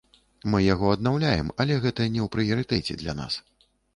Мы яго аднаўляем, але гэта не ў прыярытэце для нас.